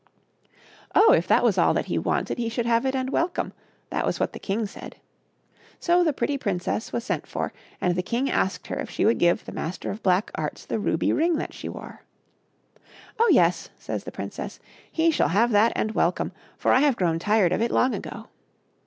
Oh ! if that was all that he wanted he should have it and welcome, that was what the king said. So the pretty princess was sent for, and the king asked her if she would give the Master of Black Arts the ruby ring that she wore. " Oh, yes !" says the princess, " he shall have that and welcome, for I have grown tired of it long ago."